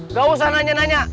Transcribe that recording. nggak usah nanya nanya